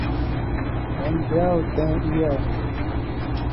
ہن بیاۃ اوتھیں ایہہ ہونے